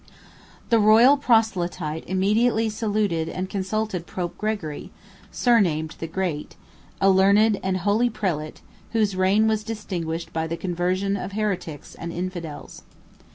133 The royal proselyte immediately saluted and consulted Pope Gregory, surnamed the Great, a learned and holy prelate, whose reign was distinguished by the conversion of heretics and infidels.